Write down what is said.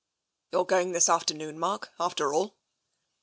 XIX " You're going this afternoon, Mark, after all?